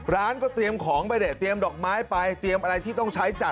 ร้านก็เตรียมของไปเนี่ยเตรียมดอกไม้ไปเตรียมอะไรที่ต้องใช้จัด